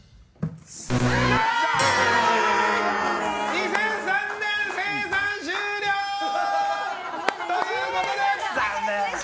２００３年、生産終了！ということで残念！